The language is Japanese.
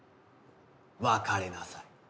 別れなさい。